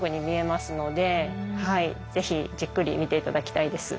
ぜひじっくり見て頂きたいです。